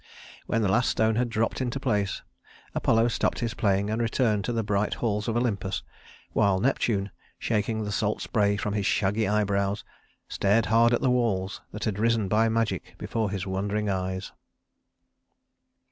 When the last stone had dropped into place, Apollo stopped his playing and returned to the bright halls of Olympus; while Neptune, shaking the salt spray from his shaggy eyebrows, stared hard at the walls that had risen by magic before his wondering eyes.